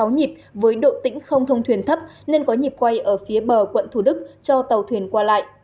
nhịp với độ tĩnh không thông thuyền thấp nên có nhịp quay ở phía bờ quận thủ đức cho tàu thuyền qua lại